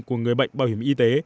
của người bệnh bảo hiểm y tế